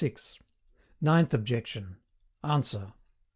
NINTH OBJECTION. ANSWER.